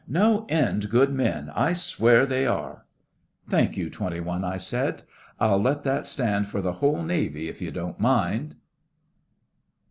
No end good men, I swear they are.' 'Thank you, Twenty One,' I said. 'I'll let that stand for the whole Navy if you don't mind.